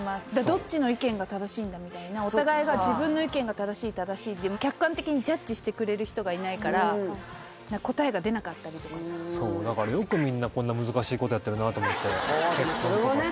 どっちの意見が正しいんだみたいなお互いが自分の意見が正しい正しいって客観的にジャッジしてくれる人がいないから答えが出なかったりとかそうだからよくみんなこんな難しいことやってるなと思ってああでもそれはね